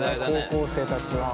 高校生たちは。